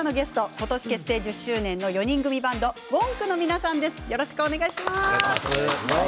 今年、結成１０周年のＷＯＮＫの皆さんです。